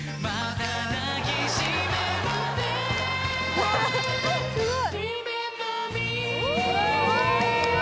・うわすごい！